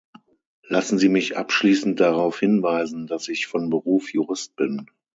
Lassen Sie mich abschließend darauf hinweisen, dass ich von Beruf Jurist bin.